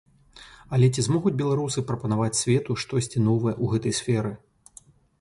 Але ці змогуць беларусы прапанаваць свету штосьці новае ў гэтай сферы?